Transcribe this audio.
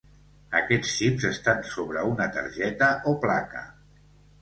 Aquests xips estan sobre una targeta o placa.